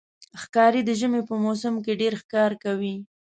ښکاري د ژمي په موسم کې ډېر ښکار کوي.